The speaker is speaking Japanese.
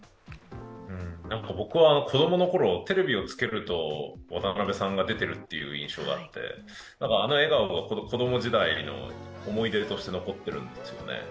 僕は子供のころ、テレビをつけると渡辺さんが出ている印象があって、あの笑顔が子供時代の思い出として残ってるんですよね。